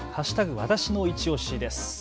わたしのいちオシです。